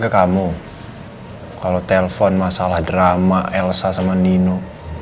kalau telpon masalah drama elsa sama dino